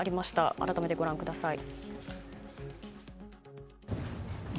改めてご覧ください。